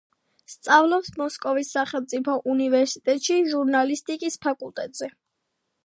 სწავლობს მოსკოვის სახელმწიფო უნივერსიტეტში ჟურნალისტიკის ფაკულტეტზე.